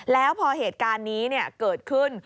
แล้วพอเหตุการณ์นี้เกิดขึ้น